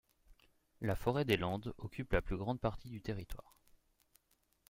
La forêt des Landes occupe la plus grande partie du territoire.